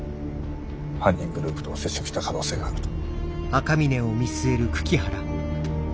犯人グループと接触した可能性があると。